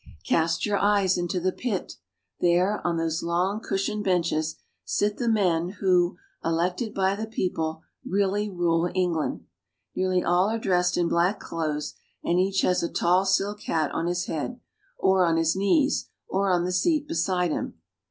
Cast your eyes into the pit. There, on those long, cush ioned benches, sit the men who, elected by the people, really rule England. Nearly all are dressed in black clothes, and each has a tall silk hat on his head, or on his knees, or on the seat beside him.